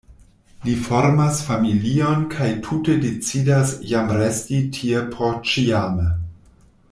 Li formas familion kaj tute decidas jam resti tie porĉiame.